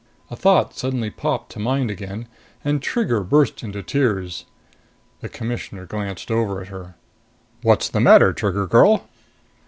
A thought suddenly popped to mind again, and Trigger burst into tears. The Commissioner glanced over at her. "What's the matter, Trigger girl?"